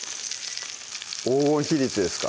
黄金比率ですか？